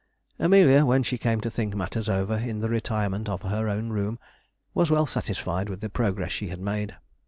Amelia, when she came to think matters over in the retirement of her own room, was well satisfied with the progress she had made.